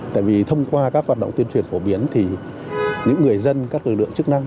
tại vì thông qua các hoạt động tuyên truyền phổ biến thì những người dân các lực lượng chức năng